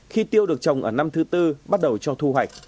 khi tiêu được trồng ở năm thứ tư bắt đầu cho thu hoạch